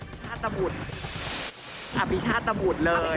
อภิชาตะบุดอภิชาตะบุดเลย